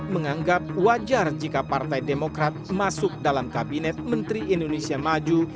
menganggap wajar jika partai demokrat masuk dalam kabinet menteri indonesia maju